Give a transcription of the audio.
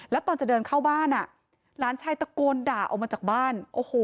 แล้วตอนจะเดินเข้าบ้านอ่ะหลานชายตะโกนด่าออกมาจากบ้านโอ้โห